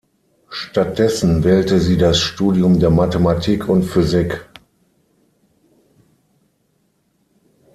Stattdessen wählte sie das Studium der Mathematik und Physik.